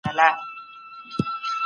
نوي پوهان به د سیاست علمي والی رد کړي.